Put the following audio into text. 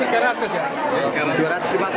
berapa tiga ratus ya